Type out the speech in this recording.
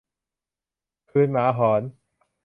คืนหมาหอน